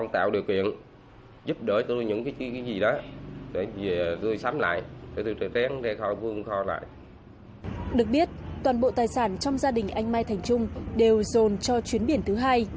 toàn bộ tài sản trong gia đình anh mai thành trung đều dồn cho chuyến biển thứ hai